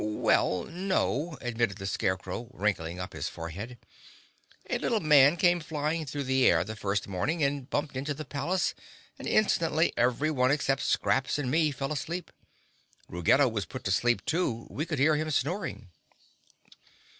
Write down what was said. "Well, no," admitted the Scarecrow, wrinkling up his forehead. "A little man came flying through the air the first morning and bumped into the palace and instantly everyone except Scraps and me fell asleep. Ruggedo was put to sleep, too; we could hear him snoring."